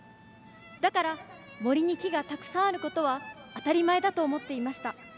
だから、森に木がたくさんあることは当たり前だと思っていました。